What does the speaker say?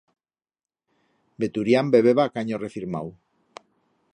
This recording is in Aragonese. Veturián bebeba a canyo refirmau.